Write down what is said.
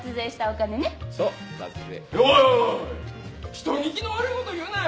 人聞きの悪いこと言うなよ。